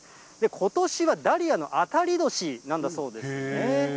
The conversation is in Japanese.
ことしはダリアの当たり年なんだそうですね。